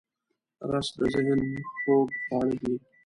رس د ذهن خوږ خواړه دی